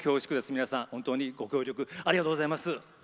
皆さん、本当にご協力ありがとうございます。